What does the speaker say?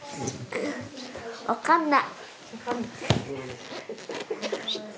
分かんない。